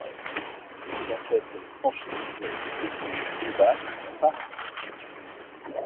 C'est dans cette franchise qu'il devient fullback à part entière.